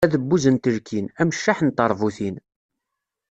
Adebbuz n telkin, ameccaḥ n teṛbutin.